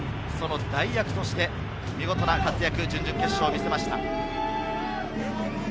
その代役として見事な活躍、準々決勝で見せました。